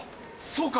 そうか！